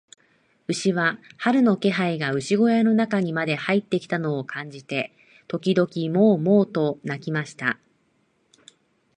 牛は、春の気配が牛小屋の中にまで入ってきたのを感じて、時々モウ、モウと鳴きました。